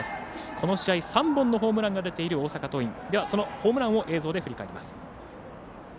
この試合、３本のホームランが出ている大阪桐蔭、そのホームランを映像で振り返ります。